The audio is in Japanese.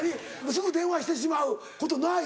すぐ電話してしまうことない？